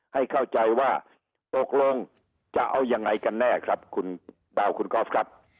ให้เข้าใจว่าตกลงจะเอายังไงกันแน่ครับคุณดาวคุณกอล์ฟครับ